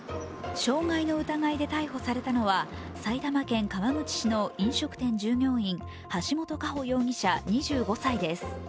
傷害の疑いで逮捕されたのは埼玉県川口市の飲食店従業員、橋本佳歩容疑者、２５歳です。